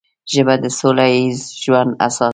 ژبه د سوله ییز ژوند اساس ده